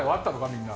みんな。